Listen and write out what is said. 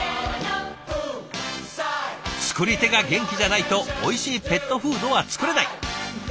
作り手が元気じゃないとおいしいペットフードは作れない。